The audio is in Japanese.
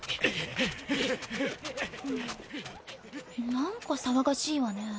何か騒がしいわね。